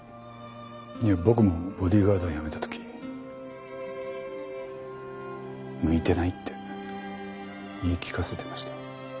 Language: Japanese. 僕もボディーガードを辞めた時向いてないって言い聞かせてました。